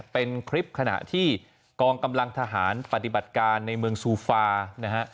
เป็นคลิปขณะที่กองกำลังทหารปฏิบัติการในเมืองซูฟานะฮะ